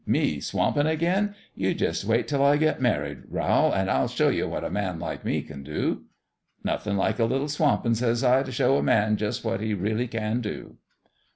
* Me swampin' again 1 You jus' wait 'til I get married, Rowl, an' I'll show you what a man like me can do? "'Nothin' like a little swampin',' says I, ' t' show a man jus' what he really can do.'